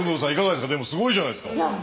でもすごいじゃないですか。